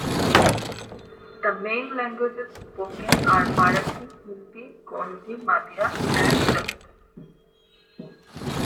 The main languages spoken are Marathi, Hindi, Gondi, Madiya and Telugu.